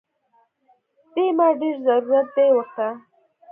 دې ما ډېر ضرورت دی ورته